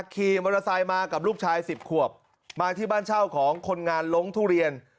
ขี่มอเตอร์ไซค์มากับลูกชาย๑๐ขวบมาที่บ้านเช่าของคนงานล้งทุเรียน